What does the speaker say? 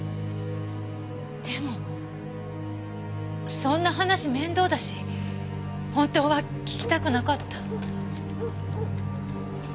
でもそんな話面倒だし本当は聞きたくなかった。